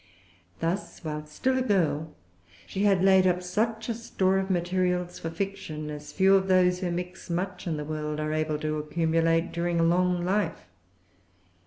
Thus while still a girl, she had laid up such a store of materials for fiction as few of those who mix much in the world are able to accumulate during a long life.